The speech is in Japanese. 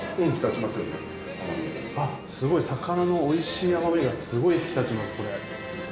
魚の美味しい甘みがすごい引き立ちますこれ。